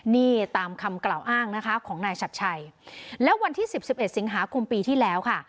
นี่ตามคำกล่าวอ้างนะคะของนายชัดชัยแล้ววันที่สิบสิบเอ็ดสิงหาคมปีที่แล้วค่ะ